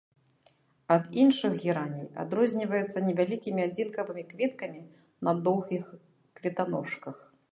Ад іншых гераней адрозніваецца невялікімі адзінкавымі кветкамі на доўгіх кветаножках.